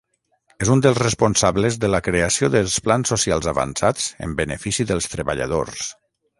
És un dels responsables de la creació dels plans socials avançats en benefici dels treballadors.